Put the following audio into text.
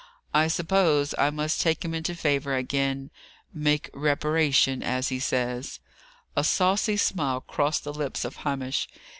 "I suppose I must take him into favour again 'make reparation,' as he says." A saucy smile crossed the lips of Hamish.